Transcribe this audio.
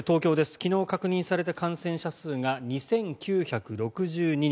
昨日確認された感染者数が２９６２人。